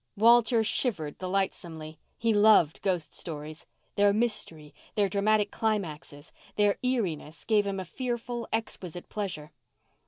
Walter shivered delightsomely. He loved ghost stories. Their mystery, their dramatic climaxes, their eeriness gave him a fearful, exquisite pleasure.